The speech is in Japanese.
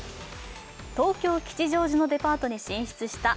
東京・吉祥寺のデパートに進出した＃